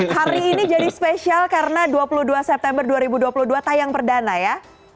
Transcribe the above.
hari ini jadi spesial karena dua puluh dua september dua ribu dua puluh dua tayang perdana ya